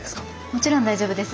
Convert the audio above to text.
もちろん大丈夫です。